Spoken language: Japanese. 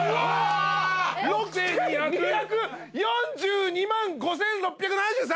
６，２４２万５，６７３円。